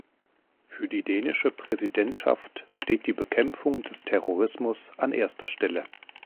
Für die dänische Präsidentschaft steht die Bekämpfung des Terrorismus an erster Stelle.